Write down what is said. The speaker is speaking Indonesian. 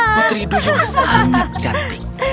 putri duyung sangat cantik